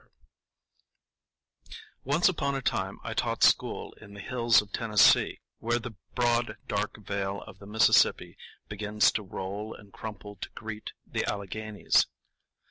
Once upon a time I taught school in the hills of Tennessee, where the broad dark vale of the Mississippi begins to roll and crumple to greet the Alleghanies.